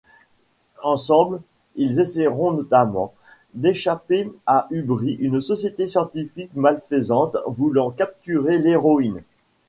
Ensemble ils essayeront, notamment, d'échapper à Ubri, une société scientifique malfaisante voulant capturer l'héroïne.